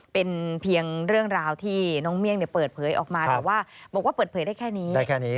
เป็นเพียงเรื่องราวที่น้องเมี่ยงเปิดเผยออกมาแต่ว่าบอกว่าเปิดเผยได้แค่นี้ได้แค่นี้